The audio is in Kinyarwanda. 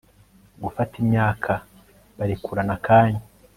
gufata imyaka! barekurana akanya